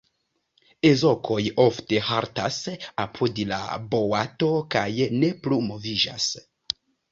Ezokoj ofte haltas apud la boato kaj ne plu moviĝas.